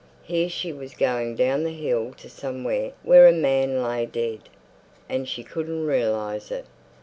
Here she was going down the hill to somewhere where a man lay dead, and she couldn't realize it.